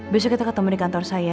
besok kita ketemu di kantor saya